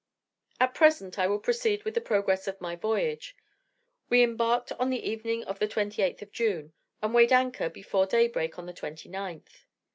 At present I will proceed with the progress of my voyage. We embarked on the evening of the 28th of June, and weighed anchor before daybreak of the 29th.